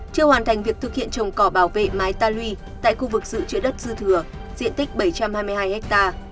chưa hoàn thành việc thực hiện trồng cỏ bảo vệ mái ta lui tại khu vực dự trữ đất dư thừa diện tích bảy trăm hai mươi hai ha